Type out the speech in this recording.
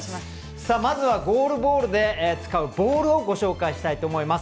まずは、ゴールボールで使うボールをご紹介したいと思います。